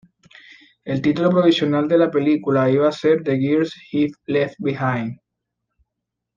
El título provisional de la película iba a ser "The Girls He Left Behind".